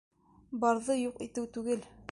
Барҙы юҡ итеү түгел.